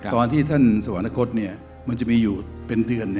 ตอนที่ท่านสวรรคตมันจะมีอยู่เป็นเดือน